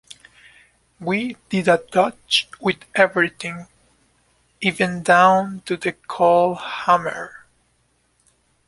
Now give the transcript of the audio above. We did a dutch with everything—even down to the coalhammer.